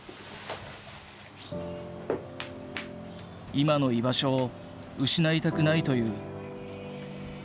今の居場所を失いたくないという。